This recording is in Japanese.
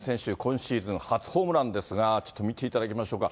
ついにきょう、大谷選手、今シーズン初ホームランですが、ちょっと見ていただきましょうか。